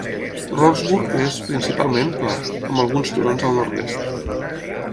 Rohrsburg és, principalment, pla, amb alguns turons al nord-est.